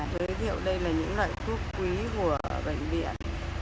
thế thì đây là những loại thuốc quý của bệnh viện